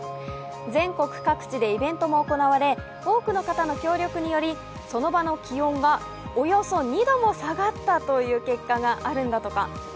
全国各地でイベントも行われ、多くの方の協力によりその場の気温がおよそ２度も下がったという結果もあるんだとか。